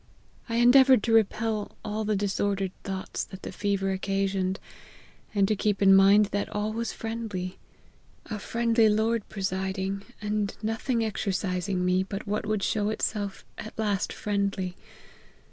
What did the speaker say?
I endeavoured to repel all the dis ordered thoughts that the fever occasioned, and to keep in mind that all was friendly ; a friendly Lord presiding ; and nothing exercising me but what would show itself at last friendly.